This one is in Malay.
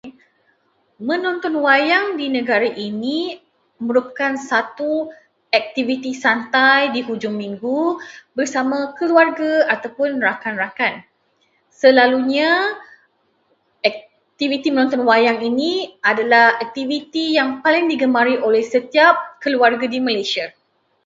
Menonton wayang di negara ini merupakan satu aktiviti santai di hujung minggu bersama keluarga ataupun rakan-rakan. Selalunya aktiviti menonton wayang ini adalah aktiviti yang paling digemari oleh setiap keluarga di Malaysia.